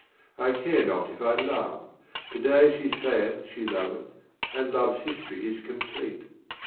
I care not if I love : to day she saith She loveth, and love's history is complete.